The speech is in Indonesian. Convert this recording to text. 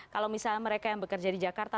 kalau misalnya mereka yang bekerja di jakarta